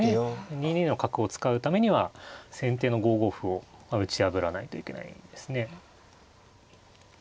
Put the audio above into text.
２二の角を使うためには先手の５五歩を打ち破らないといけないですね。